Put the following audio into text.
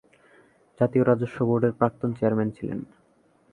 জাতীয় রাজস্ব বোর্ডের প্রাক্তন চেয়ারম্যান ছিলেন।